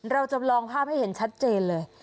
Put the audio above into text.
จำลองภาพให้เห็นชัดเจนเลย